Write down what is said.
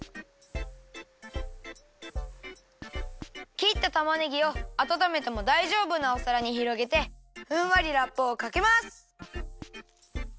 きったたまねぎをあたためてもだいじょうぶなおさらにひろげてふんわりラップをかけます。